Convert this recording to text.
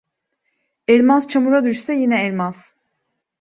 Elmas çamura düşse yine elmas.